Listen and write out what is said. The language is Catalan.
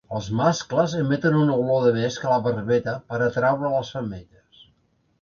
Els mascles emeten una olor de mesc a la barbeta per atraure les femelles.